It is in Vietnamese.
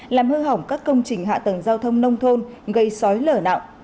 làm hư hỏng các công trình hạ tầng giao thông nông thôn gây sói lở nặng